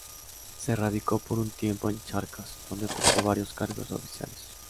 Se radicó por un tiempo en Charcas, donde ocupó varios cargos oficiales.